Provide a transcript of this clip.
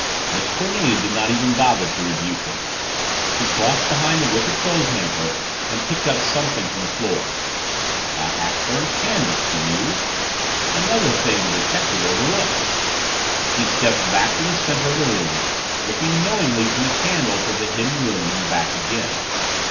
Miss Cornelia did not even bother to rebuke her. She crossed behind the wicker clothes hamper and picked up something from the floor. "A half burned candle," she mused. "Another thing the detective overlooked." She stepped back to the center of the room, looking knowingly from the candle to the Hidden Room and back again.